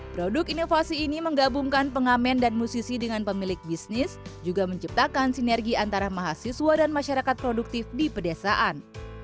produk inovasi ini menggabungkan pengamen dan musisi dengan pemilik bisnis juga menciptakan sinergi antara mahasiswa dan masyarakat produktif di pedesaan